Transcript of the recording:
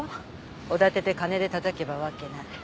おだてて金でたたけばわけない。